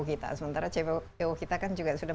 kita sementara cpo kita kan juga sudah